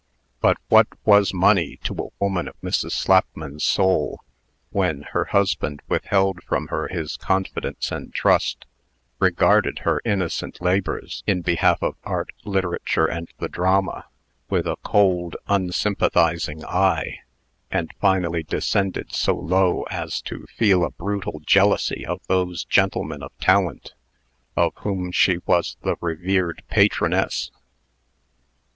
But what was money to a woman of Mrs. Slapman's soul, when her husband withheld from her his confidence and trust, regarded her innocent labors in behalf of Art, Literature, and the Drama, with a cold, unsympathizing eye, and finally descended so low as to feel a brutal jealousy of those gentlemen of talent, of whom she was the revered patroness?